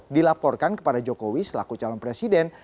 dilaporkan kepada jokowi selaku calon presiden